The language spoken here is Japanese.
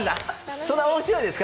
そんな面白いですか？